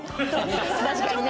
確かにね。